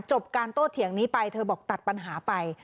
การโต้เถียงนี้ไปเธอบอกตัดปัญหาไป